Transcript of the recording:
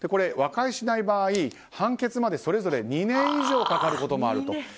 和解しない場合判決まで、それぞれ２年以上かかることもあると。